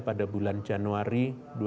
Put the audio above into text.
pada bulan januari dua ribu dua puluh